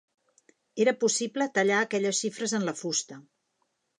Era possible tallar aquelles xifres en la fusta.